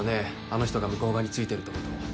あの人が向こう側についてるってこと。